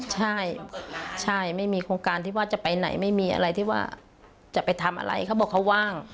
ใช่ใช่ไม่มีโครงการที่ว่าจะไปไหนไม่มีอะไรที่ว่าจะไปทำอะไรเขาบอกเขาว่าง